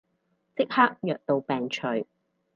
即刻藥到病除